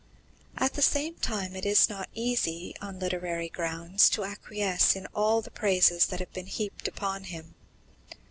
At the same time, it is not easy, on literary grounds, to acquiesce in all the praises that have been heaped upon him.